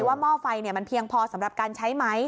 หม้อไฟมันเพียงพอสำหรับการใช้ไหม